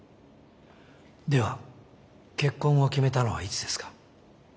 では結婚を決めたのはいつですか？